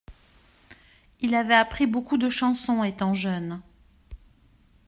Il avait appris beaucoup de chansons étant jeune.